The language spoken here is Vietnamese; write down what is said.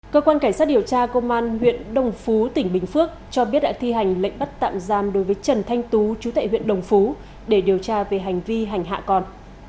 cơ quan cảnh sát điều tra công an huyện đồng phú tỉnh bình phước cho biết đã thi hành lệnh bắt tạm giam đối với trần thanh tú chú tại huyện đồng phú để điều tra về hành vi hành hạ còn